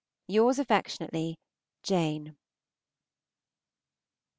Yours affectionately, JANE.